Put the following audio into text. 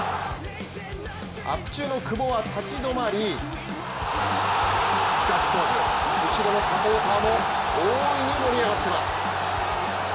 アップ中の久保は立ち止まり、ガツポーズ後ろのサポーターも大いに盛り上がってます。